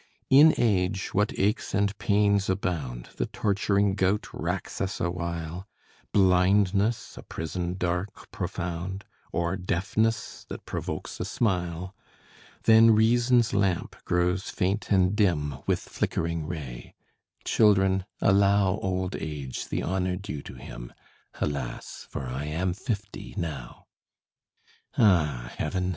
In age what aches and pains abound. The torturing gout racks us awhile; Blindness, a prison dark, profound; Or deafness that provokes a smile. Then Reason's lamp grows faint and dim With flickering ray. Children, allow Old Age the honor due to him Alas, for I am fifty now! Ah, heaven!